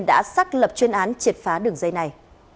đã xác lập chuyên án triệt phá đường dây này